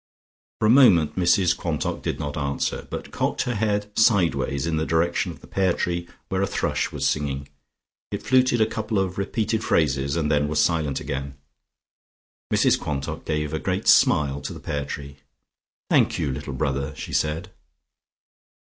For a moment Mrs Quantock did not answer, but cocked her head sideways in the direction of the pear tree where a thrush was singing. It fluted a couple of repeated phrases and then was silent again. Mrs Quantock gave a great smile to the pear tree. "Thank you, little brother," she said.